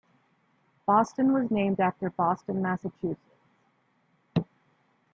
Boston was named after Boston, Massachusetts.